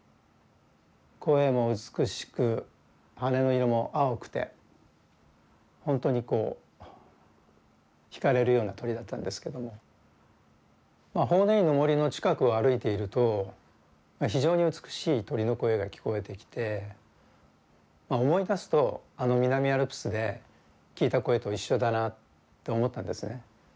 声も美しく羽の色も青くて本当にこう惹かれるような鳥だったんですけどもまあ法然院の森の近くを歩いていると非常に美しい鳥の声が聞こえてきて思い出すとあの南アルプスで聞いた声と一緒だなって思ったんですね。